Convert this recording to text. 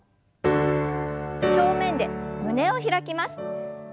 正面で胸を開きます。